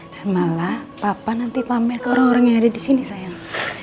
dan malah papa nanti pamer ke orang orang yang ada di sini sayang